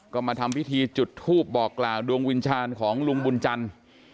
ก็มาทำพิธีจุดทูปบอกกล่าวดวงวิญญาณของลุงบุญจันทร์